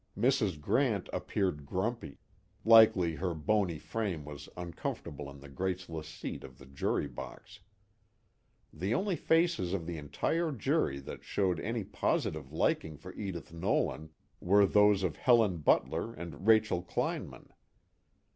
Mrs. Grant appeared grumpy; likely her bony frame was uncomfortable in the graceless seat of the jury box. The only faces of the entire jury that showed any positive liking for Edith Nolan were those of Helen Butler and Rachel Kleinman.